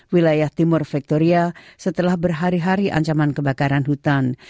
wilayah timur victoria setelah berhari hari ancaman kebakaran hutan